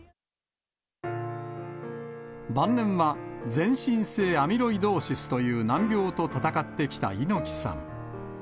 晩年は、全身性アミロイドーシスという難病と闘ってきた猪木さん。